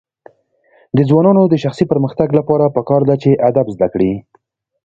د ځوانانو د شخصي پرمختګ لپاره پکار ده چې ادب زده کړي.